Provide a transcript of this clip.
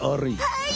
はい！